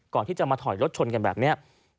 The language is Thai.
ก่อนที่จะมาถอยรถชนกันแบบนี้